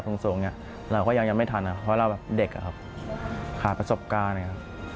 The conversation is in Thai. เพราะว่าเราเด็กครับขาดประสบการณ์